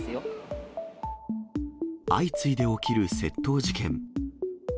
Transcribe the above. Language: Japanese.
相次いで起きる窃盗事件。